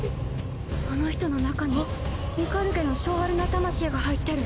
あの人の中にミカルゲの性悪な魂が入ってる。